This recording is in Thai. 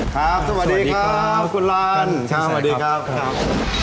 ครับสวัสดีครับคุณร้านสวัสดีครับ